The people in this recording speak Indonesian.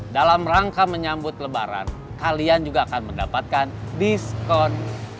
dalam rangka menyambut lebaran kalian juga akan mendapatkan diskon